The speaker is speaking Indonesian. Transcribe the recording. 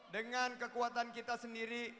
dengan kekuatan kita sendiri